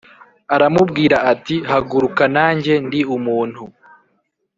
Aramubwira ati haguruka nanjye ndi umuntu